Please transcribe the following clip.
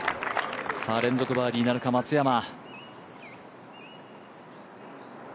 連続バーディーなるか、松山。